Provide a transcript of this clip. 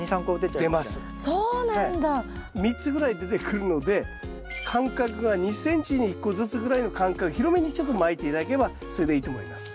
３つぐらい出てくるので間隔が２ｃｍに１個ずつぐらいの間隔広めにちょっとまいて頂ければそれでいいと思います。